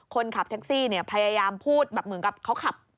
คนขับแท็กซี่พยายามพูดเหมือนกับเขาขับ